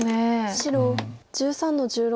白１３の十六。